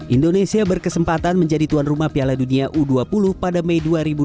indonesia berkesempatan menjadi tuan rumah piala dunia u dua puluh pada mei dua ribu dua puluh